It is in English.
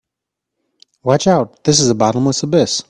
Watch out, this is a bottomless abyss!